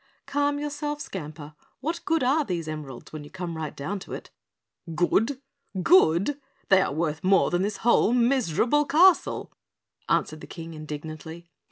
"Calm yourself, Skamper, what good are these emeralds when you come right down to it?" "Good? Good? They are worth more than this whole miserable castle," answered the King indignantly.